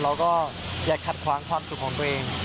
เราก็อย่าขัดขวางความสุขของตัวเอง